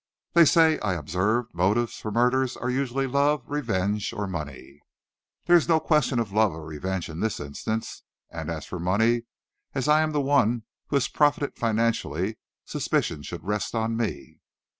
"They say," I observed, "motives for murder are usually love, revenge, or money." "There is no question of love or revenge in this instance. And as for money, as I am the one who has profited financially, suspicion should rest on me."